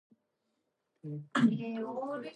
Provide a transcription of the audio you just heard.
He is a former member of the band Mattafix.